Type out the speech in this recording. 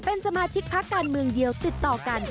เป็นสมาชิกพักการเมืองเดียวติดต่อกัน